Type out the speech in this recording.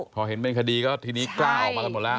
พอเห็นเป็นคดีก็ทีนี้กล้าออกมากันหมดแล้ว